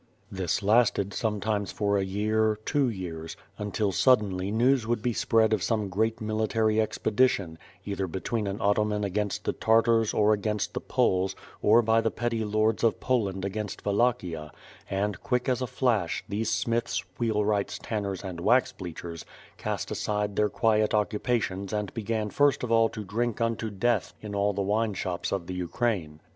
This lasted sometimes for a year, two years, until suddenly news would be spread of some great military expedition, either between an Ottonman against the Tartars or against the Poles, or by the petty lords of Poland against Wallachia — and, quick as a flash, these smiths, wheelwrights, tanners and wax bleachers, cast aside their quiet occupations and began first of all to drink unto death in all the wineshops of the Ukraine.